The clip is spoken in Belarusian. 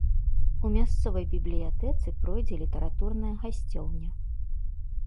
У мясцовай бібліятэцы пройдзе літаратурная гасцёўня.